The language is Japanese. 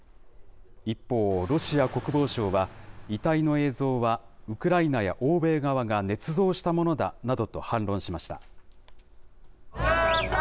一方、ロシア国防省は、遺体の映像はウクライナや欧米側がねつ造したものだなどと反論しました。